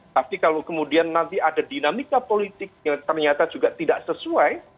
tapi kalau kemudian nanti ada dinamika politik yang ternyata juga tidak sesuai